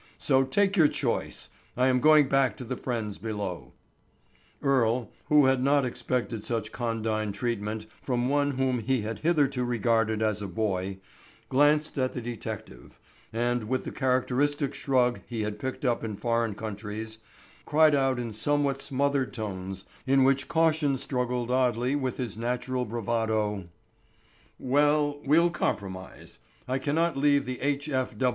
So take your choice. I am going back to the friends below." Earle, who had not expected such condign treatment from one whom he had hitherto regarded as a boy, glanced at the detective, and, with the characteristic shrug he had picked up in foreign countries, cried out in somewhat smothered tones, in which caution struggled oddly with his natural bravado: "Well, we'll compromise. I cannot leave the H.